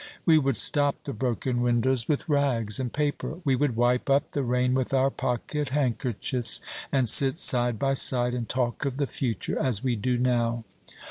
We would stop the broken windows with rags and paper, we would wipe up the rain with our pocket handkerchiefs, and sit side by side and talk of the future, as we do now.